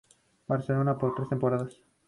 Barcelona por tres temporadas.